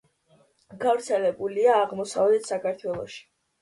გავრცელებულია აღმოსავლეთ საქართველოში.